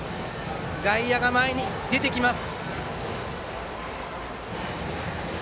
外野が前に出てきます。